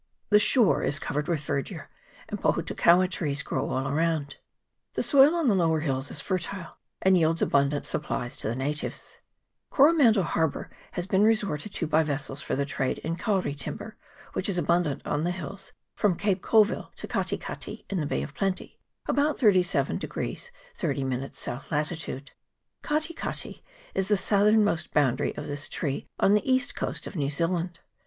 The shore is covered with verdure, and pohutukaua trees grow all around. The soil on the lower hills is fertile, and yields abundant supplies to the natives. CHAP. XX.] COROMANDEL HARBOUR. 273 Coromandel Harbour has been resorted to by ves sels for the trade in kauri timber, which is abun dant on the hills from Cape Colville to Kati Kati, in the Bay of Plenty, about 37 30' S. lat. Kati Kati is the southernmost boundary of this tree on the east coast of New Zealand.